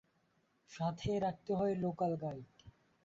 সাথে রাখতে হয় লোকাল গাইড।